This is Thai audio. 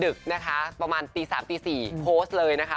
ดึกนะคะประมาณตี๓ตี๔โพสต์เลยนะคะ